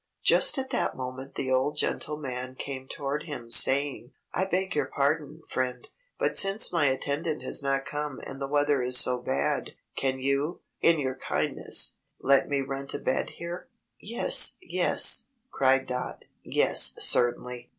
Just at that moment the old gentleman came toward him, saying, "I beg your pardon, friend, but since my attendant has not come and the weather is so bad, can you, in your kindness, let me rent a bed here?" "Yes, yes!" cried Dot. "Yes! Certainly!"